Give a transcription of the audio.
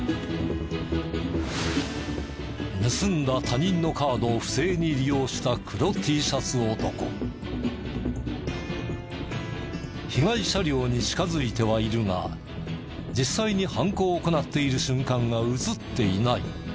盗んだ他人のカードを不正に利用した被害車両に近づいてはいるが実際に犯行を行っている瞬間が映っていない。